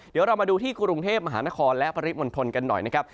เดี๋ยวเรามาดูที่กรุงเทพมหานครและปริมณฑลกันหน่อยนะครับ